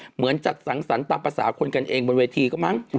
เหมือนจัดสังสรรค์ตามภาษาคนกันเองบนเวทีก็มั้ง